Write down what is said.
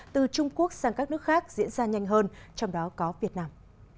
từ trung quốc sang các nước khác diễn ra nhanh hơn trong đó có việt nam